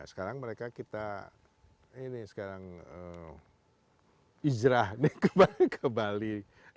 sekarang mereka kita ini sekarang ijrah ke bali